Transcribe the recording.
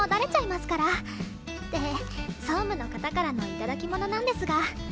って総務の方からの頂き物なんですが。